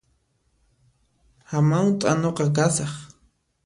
Hamawt'a nuqa kasaq